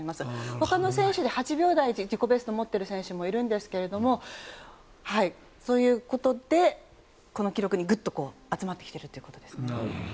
ほかの選手で８秒台の自己ベストを持っている選手もいるんですけれどもそういうことでこの記録にグッと集まってきているということです。